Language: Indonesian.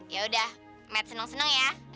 yaudah matt seneng seneng ya